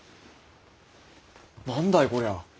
何だいこりゃ？